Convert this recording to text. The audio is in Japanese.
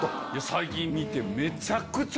最近見て。